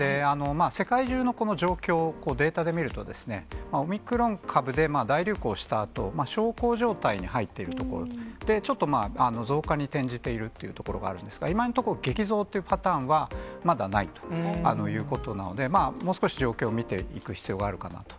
世界中のこの状況をデータで見ると、オミクロン株で大流行したあと、小康状態に入っている所、ちょっとまあ、増加に転じているっていう所があるんですが、今のところ、激増というパターンは、まだないということなので、もう少し状況を見ていく必要があるかなと。